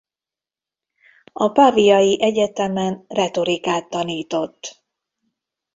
A paviai egyetemen retorikát tanított.